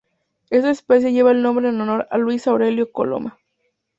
Esta especie lleva el nombre en honor a Luis Aurelio Coloma.